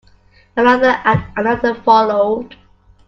Another and another followed.